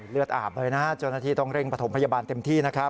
เลือดอาบเลยนะฮะเจ้าหน้าที่ต้องเร่งประถมพยาบาลเต็มที่นะครับ